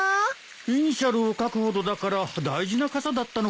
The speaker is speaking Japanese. イニシャルを書くほどだから大事な傘だったのかもしれないね。